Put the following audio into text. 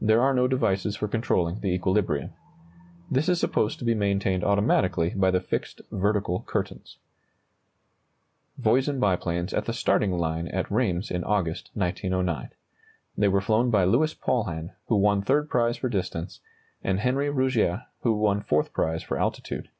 There are no devices for controlling the equilibrium. This is supposed to be maintained automatically by the fixed vertical curtains. [Illustration: Voisin biplanes at the starting line at Rheims in August, 1909. They were flown by Louis Paulhan, who won third prize for distance, and Henri Rougier, who won fourth prize for altitude.